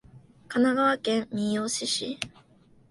香川県三豊市